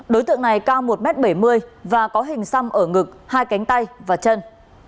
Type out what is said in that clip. đối tượng này cao một m bảy mươi và có hình xăm ở ngực hai cánh tay và chân